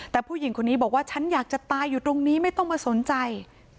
แต่ผู้หญิงคนนี้บอกว่าฉันอยากจะตายอยู่ตรงนี้ไม่ต้องมาสนใจ